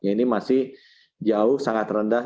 ini masih jauh sangat rendah